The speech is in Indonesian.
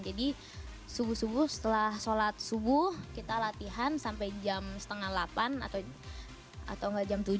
jadi subuh subuh setelah sholat subuh kita latihan sampai jam setengah delapan atau gak jam tujuh lima belas